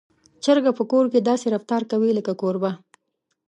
چرګه په کور کې داسې رفتار کوي لکه کوربه.